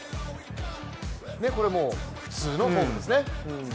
これもう普通のフォームですね。